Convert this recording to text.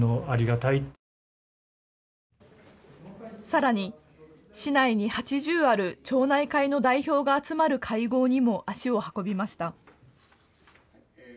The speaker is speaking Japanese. さらに市内に８０ある町内会の代表が集まる会合にも足を運びました。